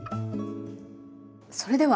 それでは。